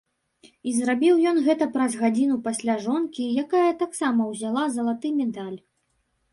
І зрабіў ён гэта праз гадзіну пасля жонкі, якая таксама ўзяла залаты медаль.